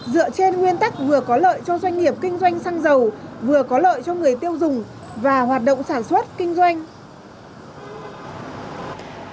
dựa trên nguyên tắc vừa có lợi cho doanh nghiệp kinh doanh xăng dầu vừa có lợi cho người tiêu dùng và hoạt động sản xuất kinh doanh